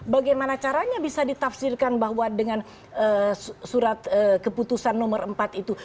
bagaimana caranya bisa ditafsirkan bahwa dengan surat keputusan nomor empat itu